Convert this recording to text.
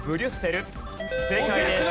正解です。